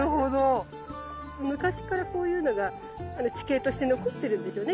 昔からこういうのが地形として残ってるんでしょうね。